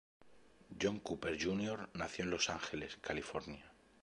John Cooper, Jr nació en Los Ángeles, California.